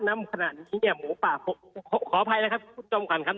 ณขณะนี้หมูป่าขออภัยนะครับผู้ชมขวัญครับ